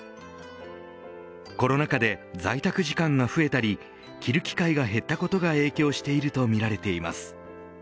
コロナ禍で在宅時間が増えたり着る機会が減ったことが影響しているとみられています。